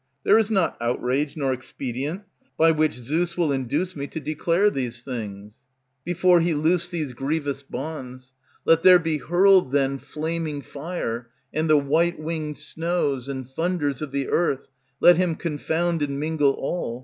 There is not outrage nor expedient, by which Zeus will induce me to declare these things, Before he loose these grievous bonds. Let there be hurled, then, flaming fire, And the white winged snows, and thunders Of the earth, let him confound and mingle all.